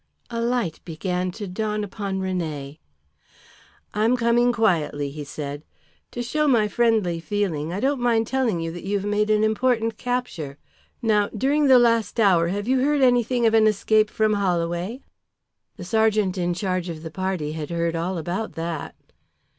A light began to dawn upon René. "I'm coming quietly," he said. "To show my friendly feeling, I don't mind telling you that you have made an important capture. Now, during the last hour have you heard anything of an escape from Holloway?" The sergeant in charge of the party had heard all about that.